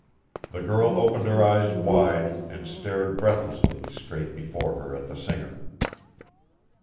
The girl opened her eyes wide and stared breathlessly straight before her at the singer.